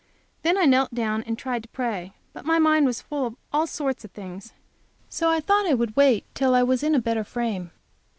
Then I knelt down and tried to pray. But my mind was full of all sorts of things, so I thought I would wait till I was in a better frame.